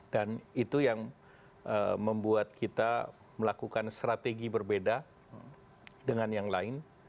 dan itu yang membuat kita melakukan strategi berbeda dengan yang lain